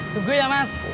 tunggu ya mas